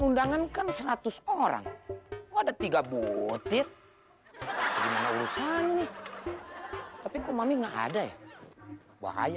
undangan kan seratus orang ada tiga butir gimana urusannya nih tapi kok mami enggak ada ya bahaya